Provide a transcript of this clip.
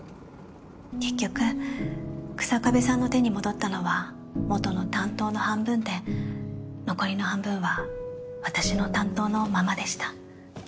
結局日下部さんの手に戻ったのは元の担当の半分で残りの半分は私の担当のままでした。